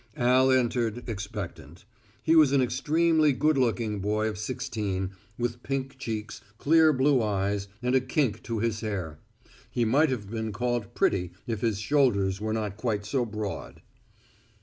Al entered expectant. He was an extremely good looking boy of sixteen, with pink cheeks, clear blue eyes, and a kink to his hair. He might have been called pretty if his shoulders were not quite so broad.